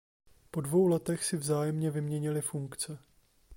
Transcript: Po dvou letech si vzájemně vyměnili funkce.